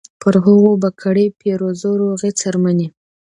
پر هغو به کړي پیرزو روغې څرمنې